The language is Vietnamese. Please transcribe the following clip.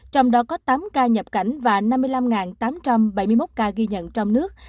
trong đó có tám ca nhập cảnh và năm mươi năm tám trăm bảy mươi một ca ghi nhận trong nước